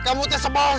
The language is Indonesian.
kamu tuh sebal sama saya